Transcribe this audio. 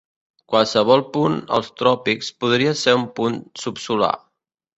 Qualsevol punt als tròpics podria ser un punt subsolar.